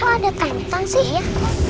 oh ada kentang sih ya